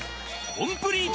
コンプリート